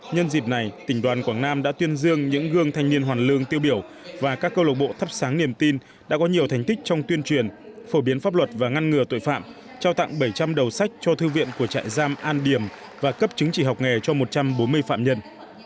nhân dịp này tỉnh đoàn quảng nam đã tuyên dương những gương thanh niên hoàn lương tiêu biểu và các câu lộc bộ thắp sáng niềm tin đã có nhiều thành tích trong tuyên truyền phổ biến pháp luật và ngăn ngừa tội phạm trao tặng bảy trăm linh đầu sách cho thư viện của trại giam an điểm và cấp chứng chỉ học nghề cho một trăm bốn mươi phạm nhân